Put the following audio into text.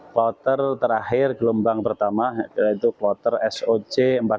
kloter terakhir gelombang pertama yaitu kloter soc empat puluh